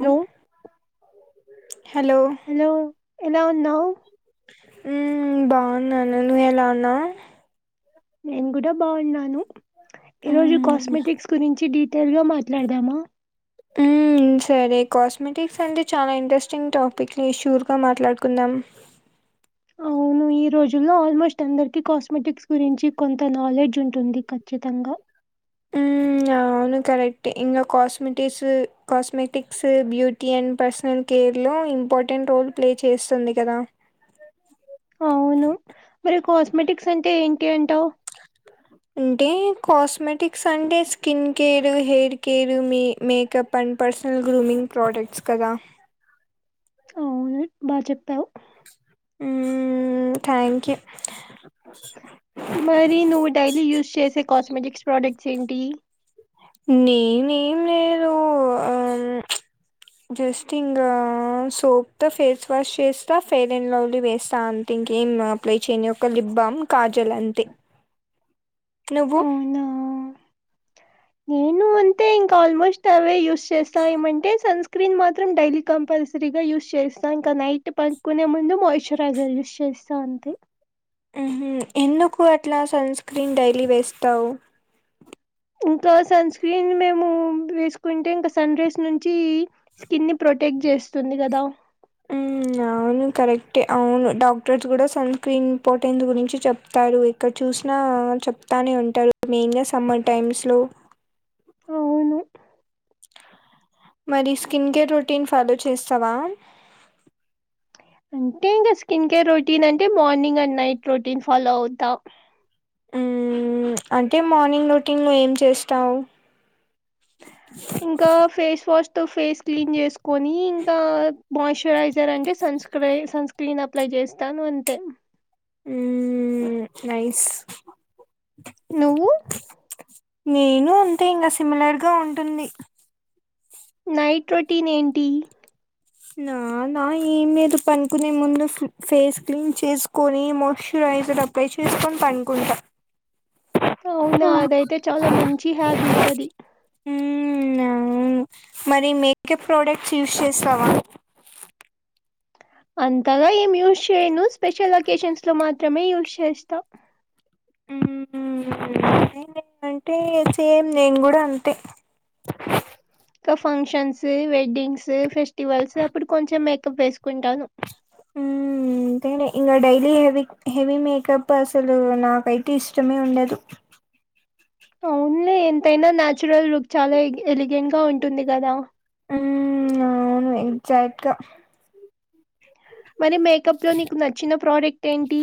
Hello hello hello ఎలా ఉన్నావ్? ఉమ్ బాగున్నాను, నువ్వు ఎలా ఉన్నావ్? నేను కూడా బాగున్నాను, ఈరోజు మ్మ్ కాస్మెటిక్స్ గురించి డి తెలుగులో మాట్లాడదామా? ఉమ్ సరే కాస్మెటిక్స్ అంటే చాలా ఇంట్రెస్టింగ్ టాపిక్ లే, షూర్ గా మాట్లాడుకుందాం. అవును ఈ రోజుల్లో ఆల్మోస్ట్ అందరికి కాస్మెటిక్స్ గురించి కొంత నాలెడ్జ్ ఉంటుంది ఖచ్చితంగా. ఉమ్ ఆ అవును కరెక్టె ఇంగ cosmetics, cosmetics, beauty and personal care నా ఇంపార్టెంట్ రోల్ ప్లే చేస్తుంది కదా. అవును, మరి కాస్మెటిక్స్ అంటే ఏంటి అంటావ్? అంటే కాస్మెటిక్స్ అంటే స్కిన్ కేర్, హెయిర్ కేర్, మే మేకప్ అం పర్సనల్ గ్రూమింగ్ ప్రోడక్ట్స్ కదా. అవును బా చెప్పావ్. ఉమ్ థ్యాంక్ యూ మరి నువ్వు డైలీ యూస్ చేసే కాస్మెటిక్స్ ప్రొడక్ట్స్ ఏంటి? నేనేం లేదు ఆ ఉచ్ జస్ట్ ఇంగ సోప్ తో ఫేస్ వాష్ చేస్తా ఫేర్ అండ్ లవ్లీ వేస్తా అంతే ఇంకేమ్ అప్లై చేయని ఒక లిప్ బామ్ కాజల్ అంతే నువ్వు అవునా నేను అంతే ఇంకా ఆల్మోస్ట్ అవే యూస్ చేస్తా ఏమంటే సన్స్ స్క్రీ మాత్రం డలీ కంపల్ససరిగా యూస్ చేస్తా ఇంక నైట్ పనుకొనే ముందు మయిస్చరాజర్ యూస్ చే స్త అంతే ఉమ్ హు ఎందుకు అట్లా సన్ స్క్రీన్ డైలీ వేస్తావు ఇంకా సన్ స్క్రీన్ మేము వేసుకుంటే ఇంకా సన్ రైస్ నుంచి స్కిన్ని ప్రో ప్రొటేక్ చేస్తుంది కదా ఉమ్ అవును కరెక్టే అవును డాక్టర్స్ కూడా సన్ స్క్రీన్ ఇంపార్టెన్స్ గురించి చెప్తారు ఎక్కడ చూసిన నా చెప్తానే ఉంటారు మెయిన్గా సమ్మర్ టైమ్స్ లో అవును మరి స్కిన్ కేర్ రొటీన్ ఫాలో చేస్తావా అంటే ఇంకా స్కిన్ కేర్ రొటీన్ అంటే morning and night routine follow అవుతా ఉమ్ అంటే మార్నింగ్ రొటీన్ లో ఏం చేస్తావు ఇంకా ఫేస్ వాష్ తో ఫేస్ క్లీన్ చేసుకొని ఇంకా మాష్ ఎక్చురైజర్ అంటే సన్క్ర సన్ స్క్రీన్ అప్లై చేస్తాను అంతే ఉమ్ నైస్ నువ్వు నేను అంతే ఇంగా సిమిలర్గా ఉంటుంది నైట్ రొటీన్ ఏంటి నా నా ఏం లేదు పనుకునే ముందు స్ ఫేస్ క్లీన్ చేసుకొని మోశ్చర్ రేజర్ అప్లై చేసికొని పడుకుంటా అవునా అదైతే చాలా మంచి హ్యాబిట్ అది ఉమ్ మరి మేకప్ ప్రోడక్ట్స్ యూస్ చేస్తావా అంతగా ఏం యూస్ చేయను స్పెషల్ అకేషన్ లో మాత్రమే యూస్ చేస్తా ఉహు హూ అంటే సేమ్ నేను కూడా అంతే ఇంకా ఫంక్షన్స్ వెడ్టింగ్స్ ఫెస్ ఫెస్టివల్స్ అప్పుడు కొంచెం మేకప్ వేసుకుంటాను ఉ అంతేలే ఇంకా డైలీ హెవీ హెవీ మేకప్ అసలు నాకైతే ఇష్టమే ఉండదు అవునులే ఎంతైనా నాచురల్ లుక్ చాలా ఎల్ ఎలిగెంట్గా ఉంటుంది కదా ఉమ్ అవును ఎగ్జాక్ట్ గా మరి మేకప్ లో నీకు నచ్చిన ప్రోడక్ట్ ఏంటి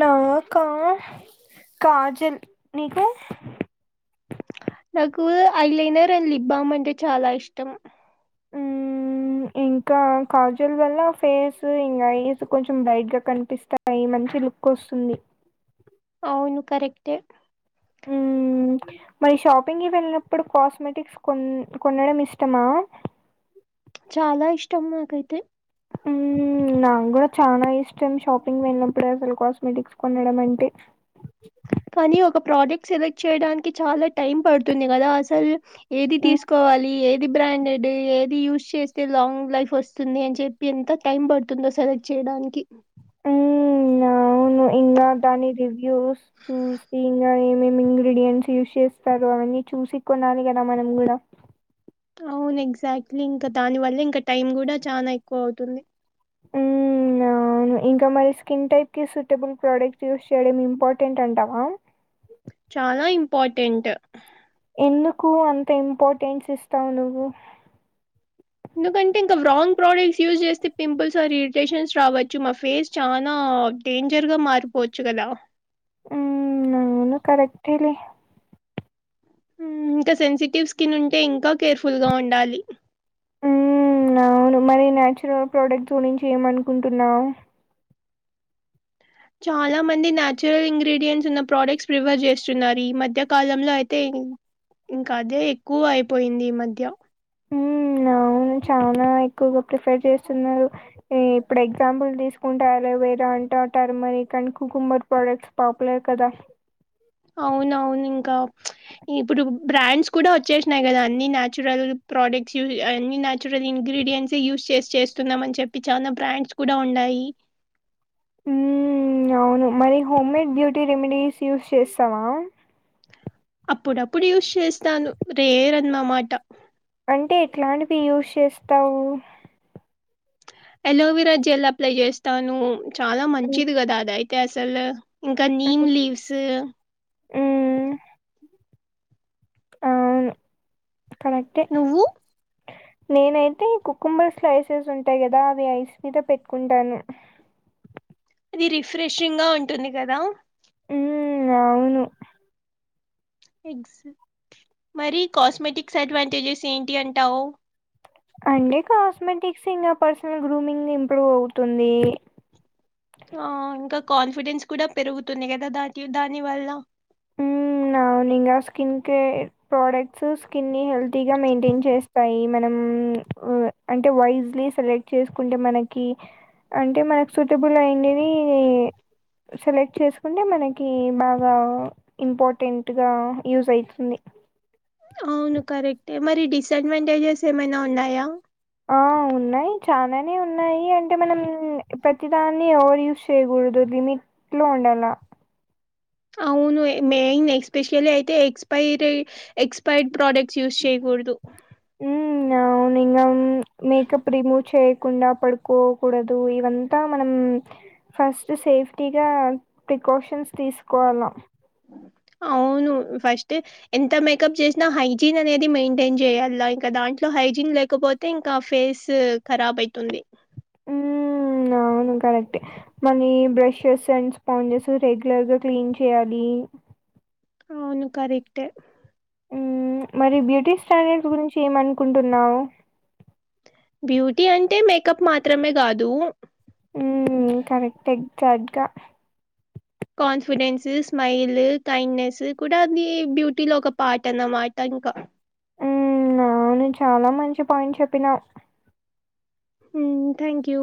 నా కా కాజల్ నీకు నాకు ఐలైనర్ అండ్ లిబ్బామ్ అంటే చాలా ఇష్టం ఇన్ ఇంకా కాజుల్ వల్ల ఫేస్ ఇంకా ఐస్ కొంచెం బ్రైట్ గా కనిపిస్తాయి మంచి లుక్ వస్తుంది అవును కరెక్టే హ్మ్. మరి షాపింగ్ కి వెళ్ళినప్పుడు కాస్మెటిక్స్ కొన్ కొనడం ఇష్టమా చాలా ఇష్టం నాకైతే నాగ్గుడ చానా ఇష్టం షాపింగ్ వెల్నప్పుడసలు కాస్మెటిక్స్ కొనడం అంటే కనీ ఒక ప్రోడక్ట్ సెలెక్ట్ చేయడానికి చాలా టైం పడుతుంది గదా అసలు ఏది హ్మ్. తీసుకోవాలి ఏది ఏది బ్రాండెడ్ ఏది యూజ్ చేస్తే లాంగ్ లైఫ్ వస్తుంది అని చెప్పి ఎంత టైం పడుతుందో సెలెక్ట్ చే డానికి హ్మ్. అవును. ఇంగా దాని రివ్యూస్ చూసి ఇంగా ఏమేమ్ ఇంగ్రీడియంట్స్ యూస్ చేస్తరు అవన్ని చూసి కొనాలి కదా మనం కూడా అవును ఎగ్జాక్ట్లీ ఇంక దాని వల్ల ఇంకా టైమ్ కూడా చానా ఎక్కువవుతుంది హ్మ్. అవును ఇంక మరి స్కిన్ టైప్ కి సూటబుల్ ప్రోడక్ట్స్ యూస్ చేయడం ఇంపార్టెంట్ అంటావా చాలా ఇంపార్టెంట్ ఎందుకు అంత ఇంపార్టెన్స్ ఇస్తావు నువ్వు దుకంటే ఇంకా వ్రాన్గ్ ప్రోడక్ట్స్ యూజ్ చేస్తే పింపుల్స్ ఆర్ ఇరిటేషన్స్ రావచ్చు మా ఫేస్ చానా ఆ డేంజర్ గా మారిపోవచ్చు గదా ఉమ్ ఆవును కరెక్టేలే ఉమ్ ఇంక సెన్సిటివ్ స్కిన్ ఉంటే ఇంకా కేర్ ఫుల్ గా ఉండాలి ఉమ్ అవును మరి నాచురల్ ప్రోడక్ట్స్ గురించి ఏమనుకుంటున్నావు చాలా మంది నాచురల్ ఇంగ్రీడియంట్స్ ఉన్న ప్రోడక్ట్స్ ప్రిఫర్ జేస్తున్నారు ఈ మధ్య కాలంలో అయితే ఉమ్ ఇంక అదే ఎక్కువ అయిపోయింది ఈ మధ్య హ్మ్. అవును చానా ఎక్కువగా ప్రిఫర్ చేస్తున్నారు ఇప్పుడు ఎగ్జాంపుల్ తీసుకుంటె అలోవేర అంటా ఉంటారు మరి కని కుకుంబర్ ప్రోడక్ట్స్ పాపులర్ కదా అవునవును ఇంకా ఇప్పుడు బ్రాండ్స్ కూడ వచ్చేసినాయి గదా అన్ని నచురల్ ప్రోడక్ట్స్ యూస్ అన్ని నచురల్ ఇంగ్ గ్రీడియంట్స్ యూస్ చేస్ చేస్తున్నాం అని చెప్పి చానా బ్రాండ్స్ కూడ ఉన్నాయి ఉమ్ అవును మరి home made beauty remedies use చేస్తవా అప్పుడప్పుడు యూస్ చేస్తాను రేరన్నమాట అంటే ఎట్లాంటివి యూజ్ చేస్తావు అలోవిరా జెల్ అప్లై జేస్తాను చాలా హ్మ్. మంచిది గదా అదయిత్ కసలు ఇంక నీమ్ లీవ్స్ హ్మ్. అవును కరెక్టే నువ్వు? నేనైతే కుకుంబర్ స్లైసెస్ ఉంటయి గదా అవి ఐస్ మీద పెట్టుకుంటాను అది రిఫ్రెషింగ్ గా ఉంటుంది గదా ఉమ్ అవును మరి కాస్మెటిక్స్ అడ్వాంటేజెస్ ఏంటి అంటావు అంటే కాస్మెటిక్స్ ఇంగా పర్సనల్ గ్రూమింగ్ ఇంప్రూవ్ అవుతుంది ఆ ఇంకా కాన్ఫిడెన్స్ కూడా పెరుగుతుంది గదా దాకి దాని వల్ల ఉమ్ అవునింగా స్కిన్ కేేర్ ప్రొడక్ట్స్ స్కిన్ ని హెల్తీ గా మెయింటైన్ చేస్తాయి మనం వ అంటే వైజలీ సెలెక్ట్ చేసుకుంటే మనకి అంటే మనకు సూటబుల్ అయిందిదీ సెలెక్ట్ చేసుకుంటే మనకి బాగా ఇంపార్టెంట్గా యూజ్ అయితుంది అవును కరెక్టే మరి డిసడ్వాంటేజెస్ ఏమైనా ఉన్నాయా ఆ ఉన్నాయి చాననే ఉన్నాయి అంటే మనం ప్రతిదాన్ని ఎవరు యూస్ చేయ్యకూడదు లిమిట్ లో ఉండాల అవును మెయిన్ ఎస్పెషల్ అయితే ఎక్స్పైర్ ఎక్స్పైర్డ్ ప్రొడక్ట్స్ యూస్ చేయ్యకూడ కూడదు హ్మ్మ్ అవును ఇగా మేకప్ రిమూవ్ చేయకుండా పడుకోకూడదు ఇవంతా మనం ఫస్ట్ సేఫ్టీగా ప్రికాషన్స్ తీసుకోవాల అవును ఫస్ట్ ఎంత మేకప్ చేసినా హైజీన్ అనేది మెయింటైన్ చేయాలా ఇంకా దాంట్లో హై హైజీన్ లేకపోతే ఇంకా ఫేస్ కరాబ్ అయితుంది నా కరెక్ట్ మళ్ళీ బ్రషెస్ అండ్ స్పాంజెస్ రెగ్యులర్గా క్లీన్ చేయాలి అవును కరెక్టే మరి బ్యూటీ స్టాండర్డ్ గురించి ఏమనుకుంటున్నావు బ్యూటీ అంటే మేకప్ మాత్రమే కాదు ఉ కరెక్ట్ ఎగ్జాక్ట్గా కాన్ఫిడెన్స్ స్మైల్ కైండ్నెస్ కూడా అది బ్యూటీ లో ఒక పార్ట్ అన్నమాట ఇంకా ఉ అవును చాలా మంచి పాయింట్ చెప్పినావ్ హ్మ్మ్ థ్యాంక్ యూ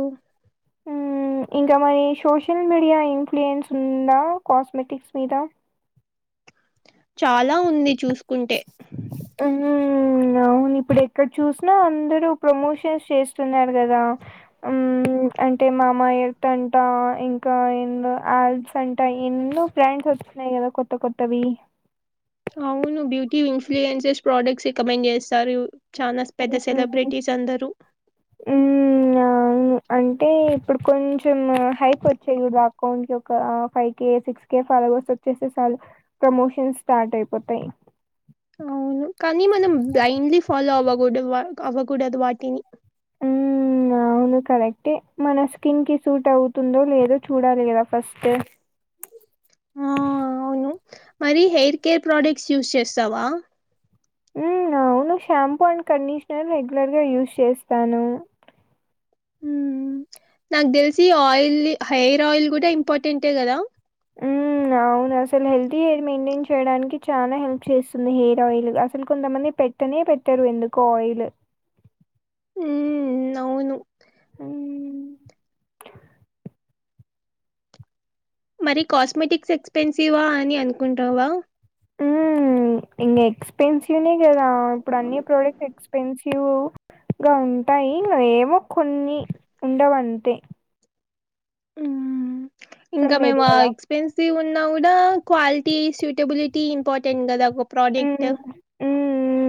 హ్మ్. ఇంకా మరి సోషల్ మీడియా ఇన్ఫ్లుయెన్స్ ఉందా కాస్మెటిక్స్ మీద చాలా ఉంది చూసుకుంటే హ్మ్. అవును ఇప్పుడు ఎక్కడ చూసినా అందరూ ప్రమోషన్స్ చేస్తున్నారు కదా హుమ్మ్ అంటే మామాయట్ అంట ఇంకా ఎన్నో ఆల్స్ అంట ఎన్నో బ్రాండ్స్ వచ్చిన్నాయి ద కొత్త కొత్తవి అవును బ్యూటీ ఇన్ఫ్లయన్సెస్ ప్రోడక్ట్స్ రికమెండ్ చేస్తారు చాలా పెద్ద హ్మ్. సెలబ్రిటీస్ అందరూ మ్మ్ అవును అంటే ఇప్పుడు కొంచెం హైప్ వచ్చేయి అకౌంట్ కి ఒక five K six K follow వచ్చేసే సాలు ప్రమోషన్ స్టార్ట్ అయిపోతాయి అవును కానీ మనం బ్లైండ్లీ ఫాలో అవ్వకూడదు అవ్వకూడదు వాటిని మ్మ్ అవును కరెక్టే మన స్కిన్ కి సూట్ అవుతుందో లేదో చూడాలి కదా ఫస్ట్ ఆ అవును మరి హెయిర్ కేర్ ప్రొడక్ట్స్ యూస్ చేస్తావా అవును షాంపూ అండ్ కండిషనర్ రెగ్యులర్ గా యూజ్ చేస్తాను హ్మ్మ్ నాకు తెలిసి ఆయిల్ హెయిర్ ఆయిల్ కూడా ఇంపార్టెంటే కదా హ్మ్మ్ అవును అసలు హెల్ది హెయిర్ మెయింటైన్ చే చేయడానికి చాలా హెల్ప్ చేస్తుంది హెయిర్ ఆయిల్ అసలు కొంతమంది పెట్టనే పెట్టరు ఎందుకో ఆయిల్ హ్మ్మ్ అవును హ్మ్మ్ మరి కాస్మెటిక్స్ ఎక్స్పెన్సివా్ అని అనుకుంటావా ఉ ఇం ఎక్స్పెన్సివ్నే కదా ఇప్పుడు అన్ని ప్రోడక్ట్స్ ఎక్స్పెన్సివ్ ్యవగా ఉంటాయి ఏమో కొన్ని ఉండవంతే హ్మ్మ్ అవసరం ఇంకా లేదు మేము ఆ గదా! ఎక్స్పెన్సివ్ ఉన్నా కూడా క్వాలిటీ సూటబిలిటీ ఇంపార్టెంట్ కదా ఒక ప్రోడక్ట్ హ్మ్. హ్మ్.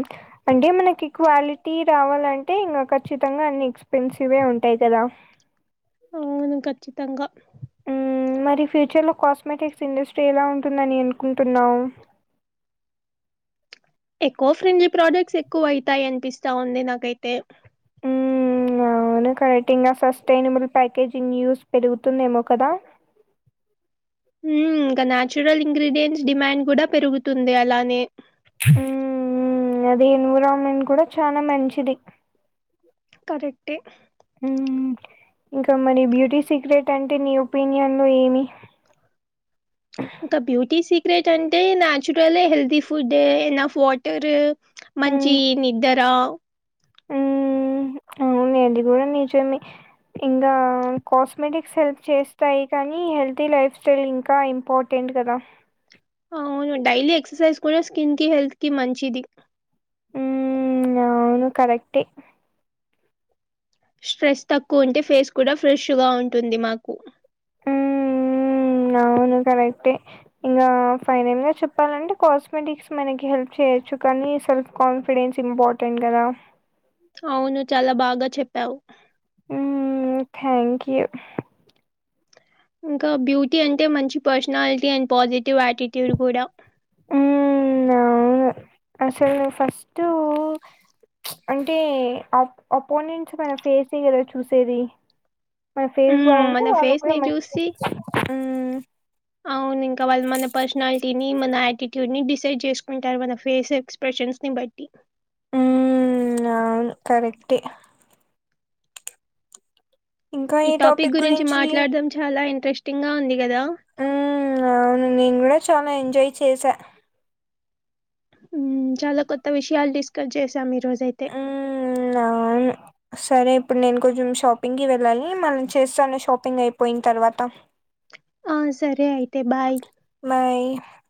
అంటే మనకి క్వాలిటీ రావాలంటే ఇంకా ఖచ్చితంగా అన్ని ఎక్స్పెన్సివ్ే ఉంటాయి కదా అవును ఖచ్చితంగా హ్మ్. మరి ఫ్యూచర్ లో కాస్మెటిక్స్ ఇండస్ట్రీ ఎలా ఉంటుందని అనుకుంటున్నా ఎకో ఫ్రెండ్లీ ప్రొడక్ట్స్ ఎక్కువ అవుతాయి అనిపిస్తా ఉంది నాకైతే హ్మ్. అవును కరెక్ట్ ఇంకా సస్టైనబుల్ ప్యాకేజింగ్ న్యూస్ పెరుగుతుందేమో కదా ఉ ఇంకా నచురల్ ఇంగ్రీడియంట్స్ డిమాండ్ కూడా పెరుగుతుంది అలానే ఉ ఉ అది ఎన్విరాన్మెంట్ కూడా చాలా మంచిది కరెక్టే మ్మ్ ఇంకా మరి బ్యూటీ సీక్రెట్ అంటే నీ ఒపీనియన్ లో ఏమి ఇంకా బ్యూటీ సీక్రెట్ అంటే నాచురల్ హెల్తీ ఫుడ్ ఏనా అఫ్ వాటర్ మంచి మ్మ్ నిద్ర అ అంటున్నది కూడా నిజమే ఇంకా కాస్మెటిక్స్ హెల్ప్ చేస్తాయి కానీ హెల్తీ లైఫ్ స్టైల్ ఇంకా ఇంపార్టెంట్ ఇప్పుడు కదా అవును డైలీ ఎక్సర్సైజ్ కూడా స్కిన్ కి హెల్త్ కి మంచిది ఉ ఆవును కరక్టే స్ట్రెస్ తక్కువ ఉంటే ఫేస్ కూడా ఫ్రెష్గా ఉంటుంది మాకు మ్మ్ అవును కరెక్టే ఇంకా ఫైనల్ గా చెప్పాలంటే కాస్మెటిక్స్ మనకి హెల్ప్ చేయొచ్చు చు కానీ సెల్ఫ కాన్ఫిడెస్ ఇంపార్ర్టెంట్ కద అవును చాలా బాగా చెప్పావు ఉమ్మో థ్యాంక్ యూ ఇంకా బ్యూటీ అంటే మంచి పర్సనాలిటీ అండ్ పాజిటివ్ వాటిట్యూడ్ కూడా మ్మ్ అవును అసలు ఫస్ట్ అంటే అపోనెంట్స్ మన ఫేస్ గదా చూసేది మ ఫేస్ మ్మ్, బాగుంటే మన వాళ్ళు ఫేస్ కూడా ని మంచి చూసి ఊ అవును ఇంకా వాళ్ళు మన పర్సనాలిటీని మన ఆయాటిట్యూడ్ ని డిసైడ్ చేసుకుంటారు మన ఫేస్ ఎక్స్ప్రెషన్ షన్స్ ని బట్టి ఉ అవును కరెక్టే ఈ టాపిక్ గురించి మాట్లాడం చాలా ఇంట్రెస్టింగ్ గా ఉంది కదా ఉ అవును నేను కూడా చాలా ఎంజాయ్ చేసా ఉ చాలా కొత్త విషయాలు డిస్కస్ చేసాం ఈరోజయితే మ్మ్ అవును సరే ఇప్పుడు నేను కొంచెం షాపింగ్కి వెళ్ళాలి మనని చేస్తాను షాపింగ్ అయిపోయిన తర్వాత ఆ సరే ఆయితె బై